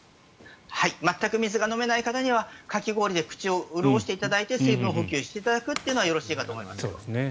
全く水が飲めない方にはかき氷で口を潤していただいて水分補給していただくのはよろしいかと思います。